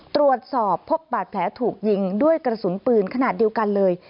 ตรวจสอบพบบาดแผลถูกยิงด้วยกระสุนปืนขนาดเดียวกันเลย